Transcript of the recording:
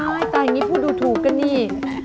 โหยตอนนี้พูดถูกกันนี่